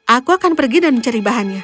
aku akan pergi dan mencari bahannya